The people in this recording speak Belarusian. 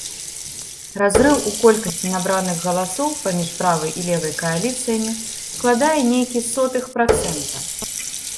Разрыў у колькасці набраных галасоў паміж правай і левай кааліцыямі складае нейкі сотых працэнта.